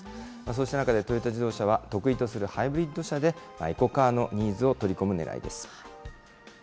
そうした中でトヨタ自動車は、得意とするハイブリッド車で、エコカーのニーズを取り込むねらいです。